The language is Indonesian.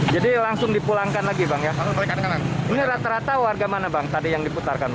jadi langsung dipulangkan lagi bang ya ini rata rata warga mana bang tadi yang diputarkan